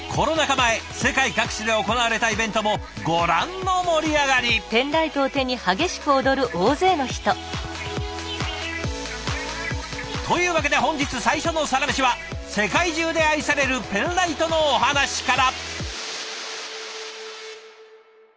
前世界各地で行われたイベントもご覧の盛り上がり！というわけで本日最初のサラメシは世界中で愛されるペンライトのお話から。